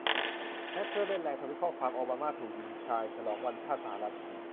แฮ็กเกอร์เล่นแรง ทวีตข้อความ"โอบามา"ถูกยิงตายฉลองวันชาติสหรัฐ